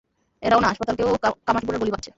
এরাও না, হাসপাতালকেও কামাঠিপুরার গলি ভাবছে।